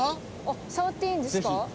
触っていいんですか？